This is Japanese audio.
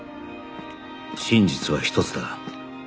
真実は一つだ